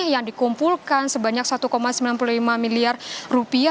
yang dikumpulkan sebanyak satu sembilan puluh lima miliar rupiah